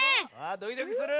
ドキドキする！